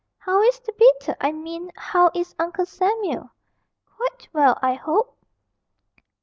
'How is the beetle I mean, how is Uncle Samuel? Quite well, I hope?'